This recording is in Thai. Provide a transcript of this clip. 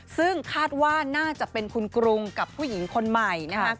ซึ่งคาดว่าน่าจะเป็นคุณกรุงกับผู้หญิงคนใหม่นะครับ